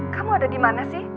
kamu ada dimana